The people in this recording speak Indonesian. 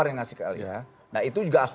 nah itu juga asli